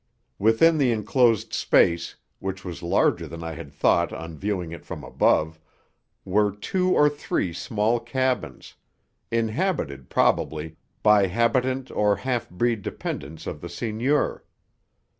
Within the enclosed space, which was larger than I had thought on viewing it from above, were two or three small cabins inhabited, probably, by habitant or half breed dependents of the seigneur.